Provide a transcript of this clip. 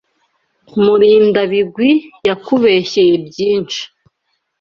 Murindabigwi yakubeshyeye byinshi.